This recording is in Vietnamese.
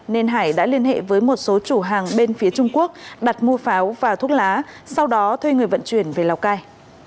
nên hải đã liên hệ với một số chủ hàng bên phía trung quốc đặt mua pháo và thuốc lá sau đó thuê người vận chuyển về lào cai